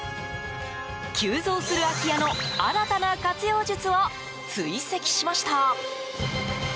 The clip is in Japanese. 急増する空き家の新たな活用術を追跡しました。